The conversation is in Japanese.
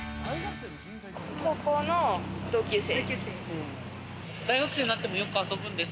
高校の同級生です。